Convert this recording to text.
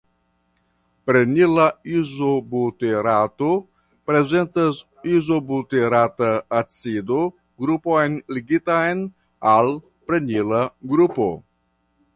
Prenila izobuterato prezentas Izobuterata acido grupon ligitan al prenila grupo.